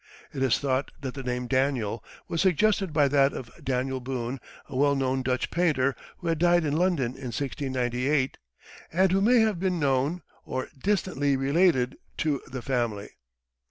It is thought that the name Daniel was suggested by that of Daniel Boone, a well known Dutch painter who had died in London in 1698, "and who may have been known, or distantly related, to the family."